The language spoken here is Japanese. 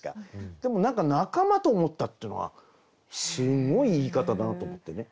でも何か仲間と思ったっていうのがすごい言い方だなと思ってね。